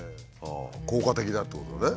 効果的だってことだね。